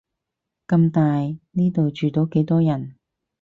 咁大，呢度住到幾多人